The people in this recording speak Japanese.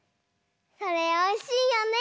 それおいしいよね。